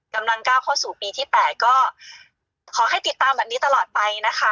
กำลังก้าวเข้าสู่ปีที่๘ก็ขอให้ติดตามแบบนี้ตลอดไปนะคะ